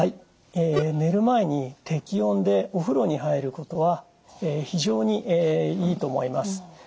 寝る前に適温でお風呂に入ることは非常にいいと思います。